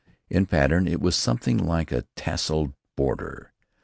In pattern it was something like a tesselated border.